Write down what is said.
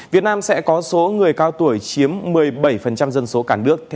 việt nam sẽ có số người cao tuổi chiếm một mươi bảy dân số cả nước